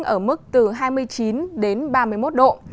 ở mức từ hai mươi chín đến ba mươi một độ